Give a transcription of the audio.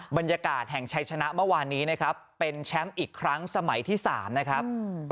บรรยากาศแห่งชัยชนะเมื่อวานนี้นะครับเป็นแชมป์อีกครั้งสมัยที่๓นะครับ